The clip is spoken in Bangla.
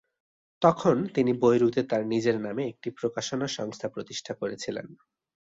তখন তিনি বৈরুতে তার নিজের নামে একটি প্রকাশনা সংস্থা প্রতিষ্ঠা করেছিলেন।